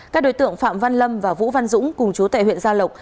các đối tượng phạm văn lâm và vũ văn dũng cùng chú tệ huyện gia lộc